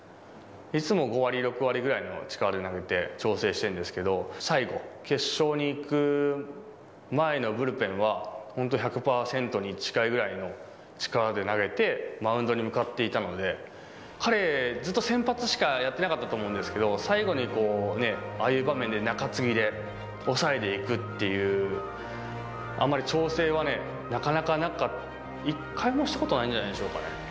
いつも５割、６割ぐらいの力で投げて調整してるんですけど、最後、決勝に行く前のブルペンは、本当１００％に近いぐらいの力で投げて、マウンドに向かっていたので、彼、ずっと先発しかやってなかったと思うんですけど、最後にこう、ね、ああいう場面で中継ぎで、抑えでいくっていう、あんまり調整はなかなかなかった、一回もしたことないんじゃないでしょうかね。